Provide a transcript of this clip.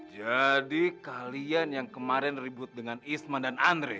jadi kalian yang kemarin ribut dengan isman dan andre